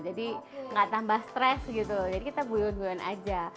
jadi gak tambah stress gitu jadi kita guyon guyon aja